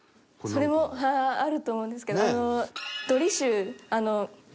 それもあると思うんですけど。